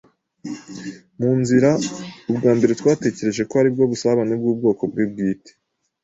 mu nzira. Ubwa mbere twatekereje ko aribwo busabane bwubwoko bwe bwite